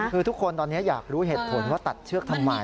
คือทุกคนตอนนี้อยากรู้เหตุผลว่าตัดเชือกทำไม